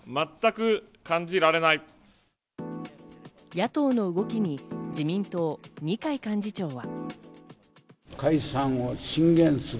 野党の動きに自民党・二階幹事長は。